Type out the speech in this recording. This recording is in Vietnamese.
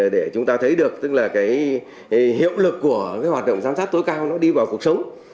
để chúng ta thấy được hiệu lực của hoạt động giám sát tối cao đi vào cuộc sống